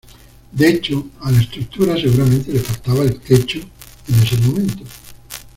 De hecho, a la estructura seguramente le faltaba el techo en ese momento.